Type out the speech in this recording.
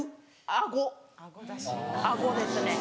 あごあごですね。